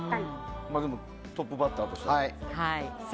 でもトップバッターとしては。